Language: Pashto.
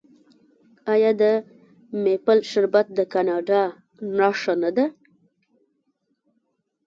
آیا د میپل شربت د کاناډا نښه نه ده؟